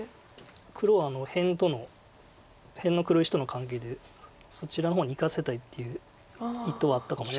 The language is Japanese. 黒は辺との辺の黒石との関係でそちらの方にいかせたいっていう意図はあったかもしれないです。